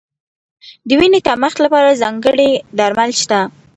د وینې کمښت لپاره ځانګړي درمل شته.